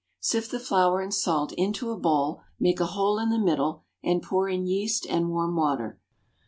Sift the flour and salt into a bowl, make a hole in the middle and pour in yeast and warm water.